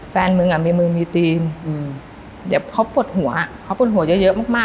แฟนมึงอ่ะมีมือมีธีมเดี๋ยวเขาปวดหัวเขาปวดหัวเยอะมากมาก